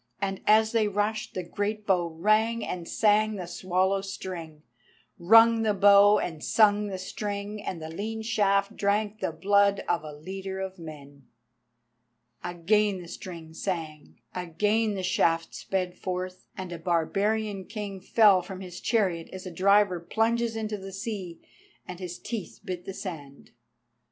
And as they rushed, the great bow rang and sang the swallow string—rung the bow and sung the string, and the lean shaft drank the blood of a leader of men. Again the string sang, again the shaft sped forth, and a barbarian king fell from his chariot as a diver plunges into the sea, and his teeth bit the sand.